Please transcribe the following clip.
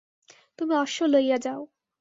তুমি অশ্ব লইয়া যাও।